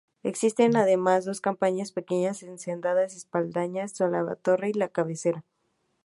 Existen, además, dos campanas pequeñas en sendas espadañas sobre la torre y la cabecera.